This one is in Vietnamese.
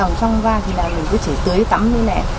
rồng trong va thì mình cứ chảy tưới tắm như thế này